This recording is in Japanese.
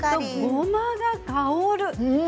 ごまが香る。